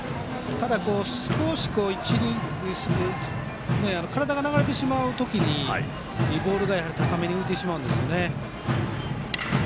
ただ、少し体が流れる時ボールが高めに浮いてしまうんですね。